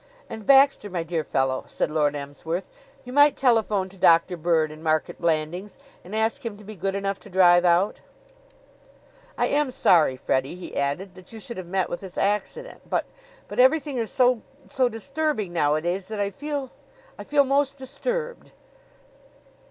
"And, Baxter, my dear fellow," said Lord Emsworth, "you might telephone to Doctor Bird, in Market Blandings, and ask him to be good enough to drive out. I am sorry, Freddie," he added, "that you should have met with this accident; but but everything is so so disturbing nowadays that I feel I feel most disturbed."